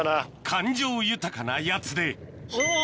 感情豊かなやつでおぉ！